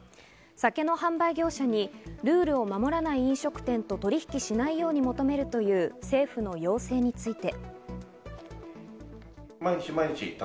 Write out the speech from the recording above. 酒の販売業者にルールを守らない飲食店と取引しないように求めるという政府の要請について。